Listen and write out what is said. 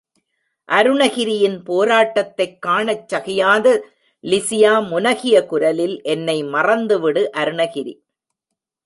அருணகிரியின் போராட்டத்தைக் காணச் சகியாத லிஸியா முனகிய குரலில், என்னை மறந்து விடு அருணகிரி.